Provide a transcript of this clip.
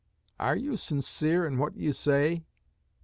"Are you sincere in what you say?"